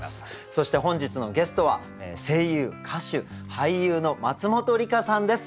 そして本日のゲストは声優歌手俳優の松本梨香さんです。